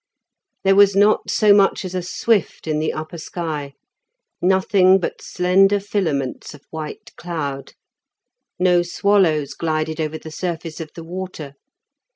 There was not so much as a swift in the upper sky; nothing but slender filaments of white cloud. No swallows glided over the surface of the water.